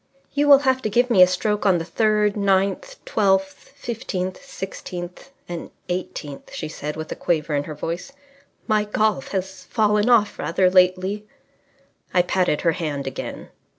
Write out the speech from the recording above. "You will have to give me a stroke on the third, ninth, twelfth, fifteenth, sixteenth and eighteenth," she said, with a quaver in her voice. "My golf has fallen off rather lately." I patted her hand again.